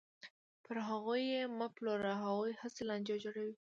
پر هغوی یې مه پلوره، هغوی هسې لانجې جوړوي.